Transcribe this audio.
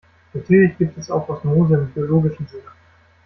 Natürlich gibt es auch Osmose im biologischen Sinne.